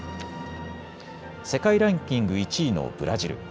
世界ランキング１位のブラジル。